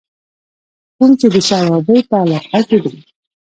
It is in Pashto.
کوم چې د صوابۍ پۀ علاقه کښې دے